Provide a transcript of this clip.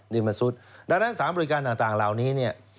ดังนั้นสถานบริการต่างลาวนี้